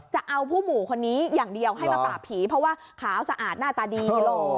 จะเอาผู้หมู่คนนี้อย่างเดียวให้มาปากผี